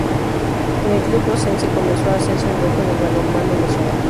En el club oscense comenzó a hacerse un hueco en el balonmano nacional.